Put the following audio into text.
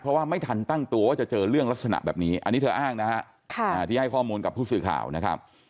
เพราะว่าไม่ทันตั้งตัวว่าจะเจอเรื่องลักษณะแบบนี้อันนี้เธออ้างนะฮะที่ให้ข้อมูลกับผู้สื่อข่าวนะครับ